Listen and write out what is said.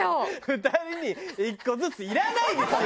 ２人に１個ずついらないですよ！